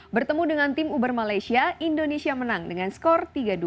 bertemu dengan tim uber malaysia indonesia menang dengan skor tiga dua